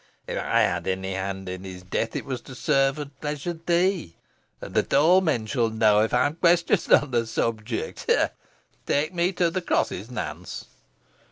"If I had any hand in his death, it was to serve and pleasure thee, and that all men shall know, if I am questioned on the subject ha! ha! Take me to the crosses, Nance."